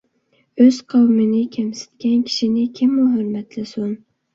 ئۆز قوۋمىنى كەمسىتكەن كىشىنى كىممۇ ھۆرمەتلىسۇن؟ !